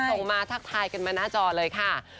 ส่งมาทักทายกันมาหน้าจอเลยค่ะ